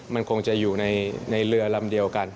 มันคงจะอยู่ในเรือลำเดียวกัน